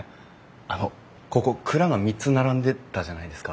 あのここ蔵が３つ並んでたじゃないですか。